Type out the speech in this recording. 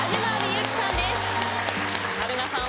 春菜さん